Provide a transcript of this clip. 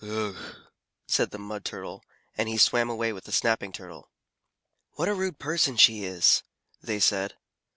"Ugh!" said the Mud Turtle, and he swam away with the Snapping Turtle. "What a rude person she is!" they said.